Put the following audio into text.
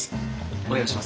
お願いします。